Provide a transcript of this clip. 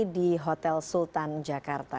di hotel sultan jakarta